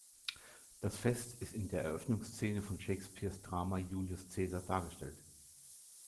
Das Fest ist in der Eröffnungsszene von Shakespeares Drama Julius Cäsar dargestellt.